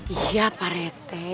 iya pak rt